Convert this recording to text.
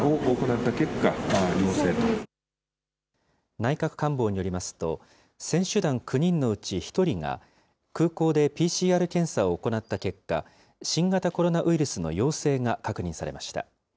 内閣官房によりますと、選手団９人のうち１人が、空港でＰＣＲ検査を行った結果、新型コロナウイルスの陽性が確認されました。